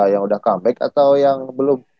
yang sudah comeback atau yang belum